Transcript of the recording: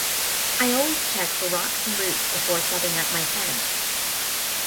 I always check for rocks and roots before setting up my tent.